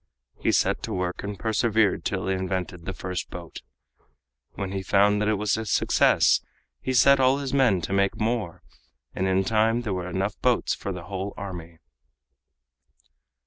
He set to work and persevered till he invented the first boat. When he found that it was a success he set all his men to make more, and in time there were enough boats for the whole army.